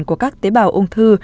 của các tế bào ung thư